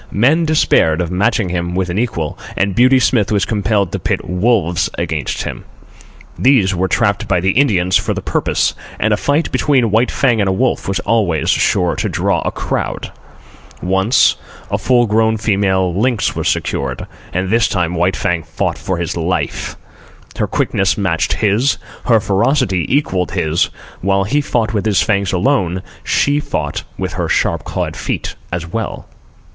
Men despaired of matching him with an equal, and Beauty Smith was compelled to pit wolves against him. These were trapped by the Indians for the purpose, and a fight between White Fang and a wolf was always sure to draw a crowd. Once, a full grown female lynx was secured, and this time White Fang fought for his life. Her quickness matched his; her ferocity equalled his; while he fought with his fangs alone, and she fought with her sharp clawed feet as well.